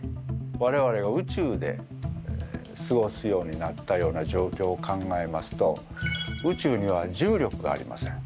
われわれがうちゅうですごすようになったような状況を考えますとうちゅうには重力がありません。